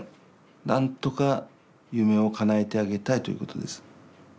なんとか夢をかなえてあげたいということです。